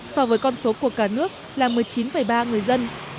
so với con số của cả nước là một mươi chín ba người dân